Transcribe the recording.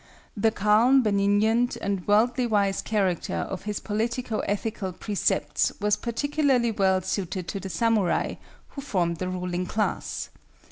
The calm, benignant, and worldly wise character of his politico ethical precepts was particularly well suited to the samurai, who formed the ruling class.